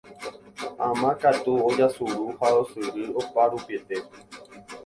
Ama katu ojasuru ha osyry oparupiete